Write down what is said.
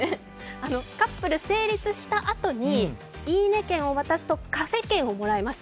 カップル成立したあとに「いいね！券」を渡すとカフェ券をもらえます。